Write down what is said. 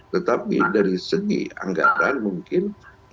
tetapi dari segi anggaran mungkin